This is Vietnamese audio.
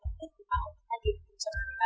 về thông tin và truyền thông tổ chức trực tiệm